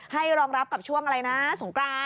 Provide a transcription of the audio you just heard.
รองรับกับช่วงอะไรนะสงกราน